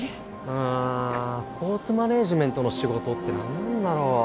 うーんスポーツマネージメントの仕事って何だろう